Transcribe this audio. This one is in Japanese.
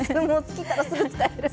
切ったらすぐ使える。